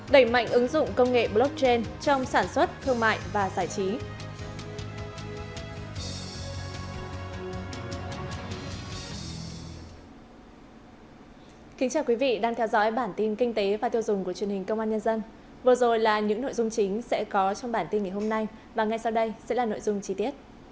đẩy mạnh ứng dụng công nghệ blockchain trong sản xuất thương mại và giải trí